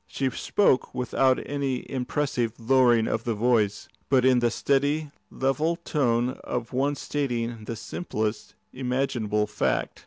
She spoke without any impressive lowering of the voice, but in the steady, level tone of one stating the simplest imaginable fact.